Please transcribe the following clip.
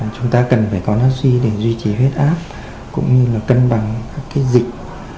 chúng ta cần phải có nát ri để duy trì huyết áp cũng như là cân bằng các dịch